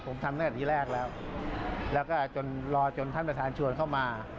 ผมทำตั้งแต่ทีแรกแล้วแล้วก็จนรอจนท่านประธานชวนเข้ามา